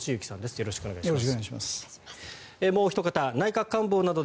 よろしくお願いします。